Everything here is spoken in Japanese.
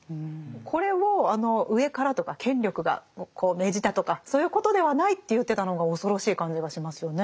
これを上からとか権力がこう命じたとかそういうことではないって言ってたのが恐ろしい感じがしますよね。